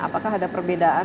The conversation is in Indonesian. apakah ada perbedaan